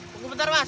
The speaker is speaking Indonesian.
tunggu bentar mas